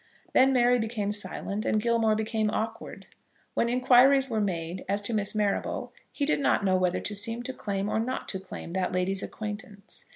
Then Mary became silent and Gilmore became awkward. When inquiries were made as to Miss Marrable, he did not know whether to seem to claim, or not to claim, that lady's acquaintance.